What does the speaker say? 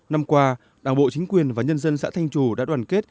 năm qua đảng bộ chính quyền và nhân dân xã thanh chủ đã đoàn kết